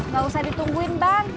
gak usah ditungguin bang